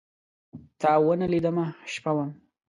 تاونه لیدمه، شپه وم